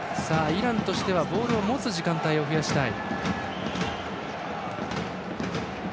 イランとしてはボールを持つ時間帯を増やしたい。